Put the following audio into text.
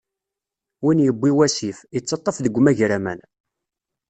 Win yiwwi wasif, ittaṭṭaf deg umagraman.